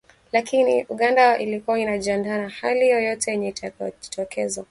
Lakini Uganda ilikuwa inajiandaa na hali yoyote yenye itakayojitokeza